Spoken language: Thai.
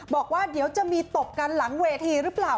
บอกว่าเดี๋ยวจะมีตบกันหลังเวทีหรือเปล่า